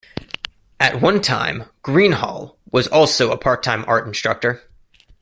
At one time, Greenhalgh was also a part-time art instructor.